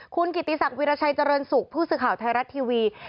คุณกิติศักดิราชัยเจริญสุขผู้สื่อข่าวไทยรัฐทีวี